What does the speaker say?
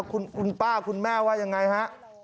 คุณป้าคุณแม่ว่ายังไงฮะ